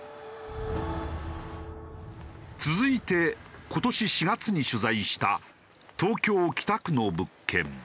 続いて今年４月に取材した東京北区の物件。